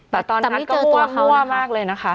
แต่ตอนนั้นก็มั่วมากเลยนะคะ